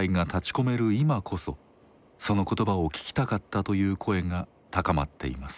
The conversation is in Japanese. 今こそその言葉を聞きたかったという声が高まっています。